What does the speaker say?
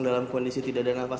dalam kondisi tidak ada nafas